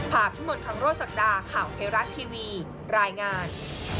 ผ่านทั้งหมดทั้งโลกสัปดาห์ข่าวเพราะรัฐทีวีรายงาน